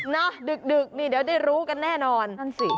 น่ะดึกนี่เดี๋ยวได้รู้กันแน่นอน